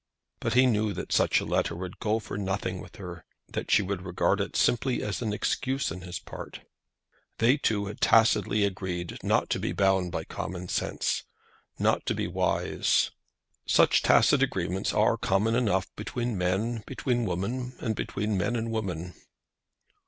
But he knew that such a letter would go for nothing with her, that she would regard it simply as an excuse on his part. They two had tacitly agreed not to be bound by common sense, not to be wise. Such tacit agreements are common enough between men, between women, and between men and women.